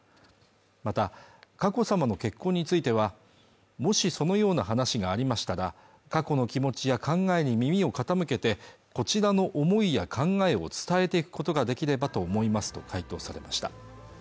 また佳子さまの結婚についてはもしそのような話がありましたら佳子の気持ちや考えに耳を傾けてこちらの思いや考えを伝えていくことができればと思いますと回答されました